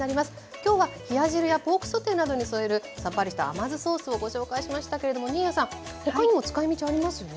今日は冷や汁やポークソテーなどに添えるさっぱりした甘酢ソースをご紹介しましたけれども新谷さん他にも使いみちありますよね？